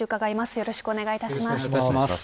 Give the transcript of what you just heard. よろしくお願いします。